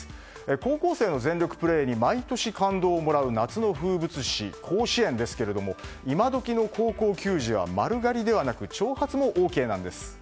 高校生の全力プレーに毎年感動をもらう夏の風物詩甲子園ですが今どきの高校球児は丸刈りではなく長髪もＯＫなんです。